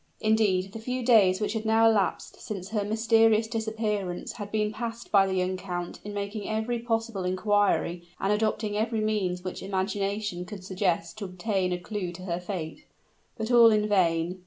Indeed, the few days which had now elapsed since her mysterious disappearance had been passed by the young count in making every possible inquiry and adopting every means which imagination could suggest to obtain a clew to her fate. But all in vain.